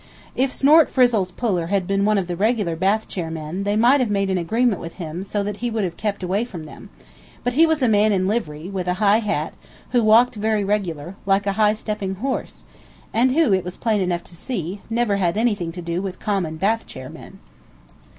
If Snortfrizzle's puller had been one of the regular bath chair men they might have made an agreement with him so that he would have kept away from them; but he was a man in livery, with a high hat, who walked very regular, like a high stepping horse, and who, it was plain enough to see, never had anything to do with common bath chair men.